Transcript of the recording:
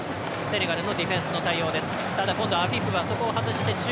セネガルのディフェンスの対応です。